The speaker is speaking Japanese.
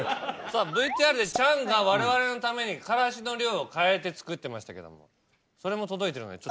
ＶＴＲでチャンがわれわれのためにからしの量を変えて作ってましたけどもそれも届いてるので食べて。